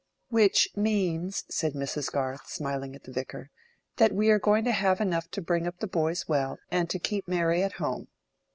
"Which means," said Mrs. Garth, smiling at the Vicar, "that we are going to have enough to bring up the boys well and to keep Mary at home."